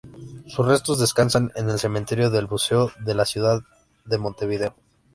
Sus restos descansan en el Cementerio del Buceo de la ciudad de Montevideo.